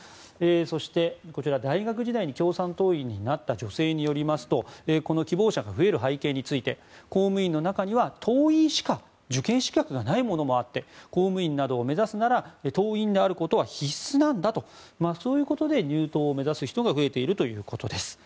そして、大学時代に共産党員になった女性によりますと希望者が増える背景について公務員の中には党員しか受験資格がないものもあって公務員などを目指すなら党員であることは必須だとそういうことで入党を目指す人が増えているということです。